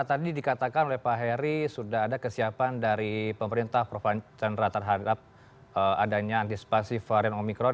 tadi dikatakan oleh pak heri sudah ada kesiapan dari pemerintah prof chandra terhadap adanya antisipasi varian omikron